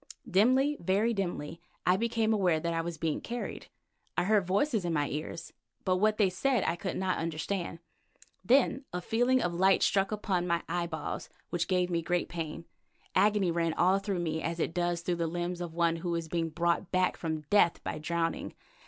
Dimly, very dimly, I became aware that I was being carried. I heard voices in my ears, but what they said I could not understand. Then a feeling of light struck upon my eyeballs which gave me great pain. Agony ran all through me as it does through the limbs of one who is being brought back from death by drowning.